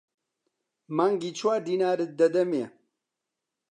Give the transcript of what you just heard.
مانگی چوار دینارت دەدەمێ.